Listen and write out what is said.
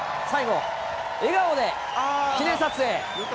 最後、笑顔で記念撮影。